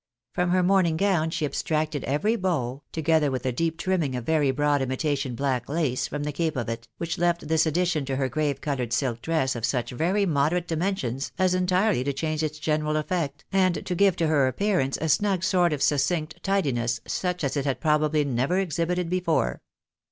From her morning gown she abstracted every bow, together with a, deep trimming of very broad imitation black lace from the cape of it, which left this addition to her grave coloured silk dress of such very moderate dimensions as entirely to change its general effect, and to give to her appearance a snug sort of succinct tidiness, such as it had probably never exhibited before.